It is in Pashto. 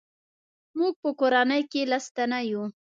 موږ په کورنۍ کې لس تنه یو.